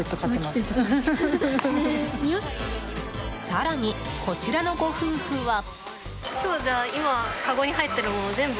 更に、こちらのご夫婦は。